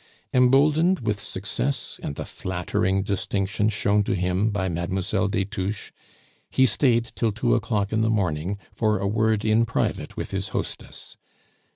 Emboldened with success and the flattering distinction shown to him by Mlle. des Touches, he stayed till two o'clock in the morning for a word in private with his hostess.